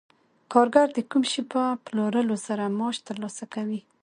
کارګر د کوم شي په پلورلو سره معاش ترلاسه کوي